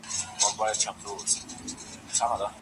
ولي د تولیدي وسایلو نشتون د فابریکو فعالیت کمزوری کوي؟